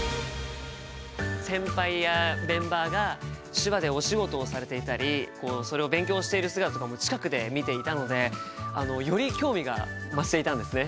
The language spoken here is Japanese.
先輩やメンバーが手話でお仕事をされていたりそれを勉強している姿とかも近くで見ていたのでより興味が増していたんですね。